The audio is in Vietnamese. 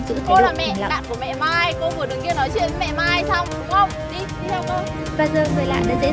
chị còn tính việc ý